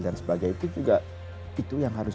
dan sebagainya itu juga itu yang harus